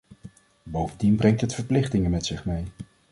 Bovendien brengt het verplichtingen met zich mee.